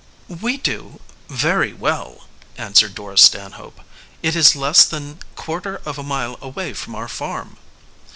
"We do very well," answered Dora Stanhope. "It is less than quarter of a mile away from our farm."